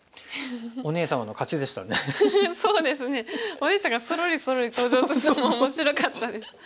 お姉ちゃんがそろりそろり登場するのも面白かったです。